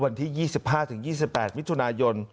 วันที่๒๕๒๘มิถุนายน